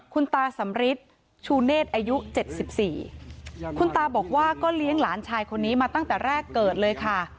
คุณตาสำริทชูเนธอายุ๗๔คุณตาบอกว่าก็เลี้ยงหลานชายคนนี้มาตั้งแต่แรกเกิดเลยค่ะ